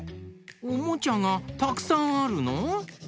おもちゃがたくさんあるの！？